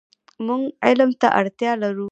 مونږ علم ته اړتیا لرو .